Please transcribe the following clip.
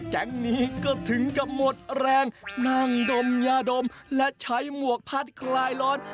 แก๊งนี้ก็ถึงกับหมดแรงนั่งดมยาดมและใช้หมวกพัดคลายร้อน